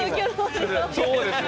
そうですね。